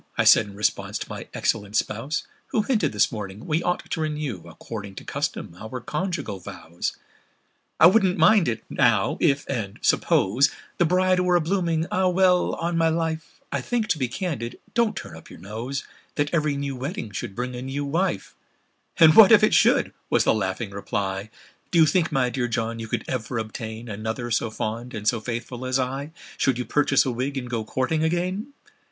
I said in response to my excellent spouse, Who hinted, this morning, we ought to renew According to custom, our conjugal vows. "I wouldn't much mind it, now—if—and suppose— The bride were a blooming—Ah! well—on my life, I think—to be candid—(don't turn up your nose!) That every new wedding should bring a new wife!" "And what if it should?" was the laughing reply; "Do you think, my dear John, you could ever obtain Another so fond and so faithful as I, Should you purchase a wig, and go courting again?"